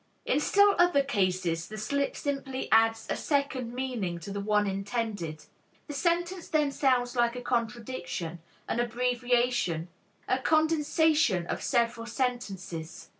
In still other cases the slip simply adds a second meaning to the one intended. The sentence then sounds like a contradiction, an abbreviation, a condensation of several sentences.